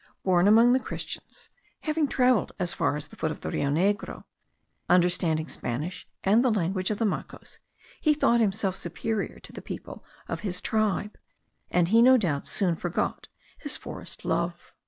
Born among the Christians, having travelled as far as the foot of the Rio Negro, understanding Spanish and the language of the Macos, he thought himself superior to the people of his tribe, and he no doubt soon forgot his forest love.